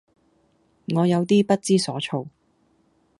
我有啲不知所措